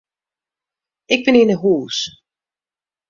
Ik bin yn 'e hûs.